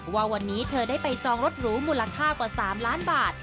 ว่าวันนี้เธอได้ไปจองรถหรูมูลค่ากว่า๓ล้านบาท